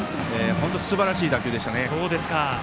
すばらしい打球でしたね。